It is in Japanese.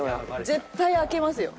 絶対開きますよ。